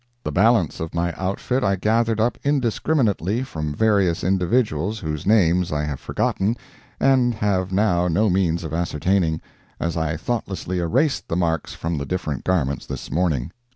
The balance of my outfit I gathered up indiscriminately from various individuals whose names I have forgotten and have now no means of ascertaining, as I thoughtlessly erased the marks from the different garments this morning.